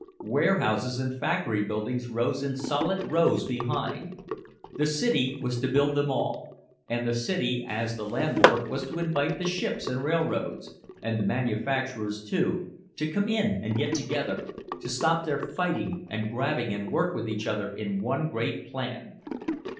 Warehouses and factory buildings rose in solid rows behind. The city was to build them all, and the city as the landlord was to invite the ships and railroads, and the manufacturers too, to come in and get together, to stop their fighting and grabbing and work with each other in one great plan.